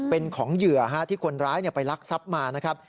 เป็นของเหยื่อที่คนร้ายไปลักทรัพย์มานะครับ